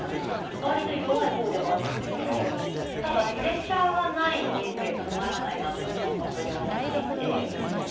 割と弱い方ではあるんですけれどただプレッシャーがない人生つまらないなというのを本当に思っていて。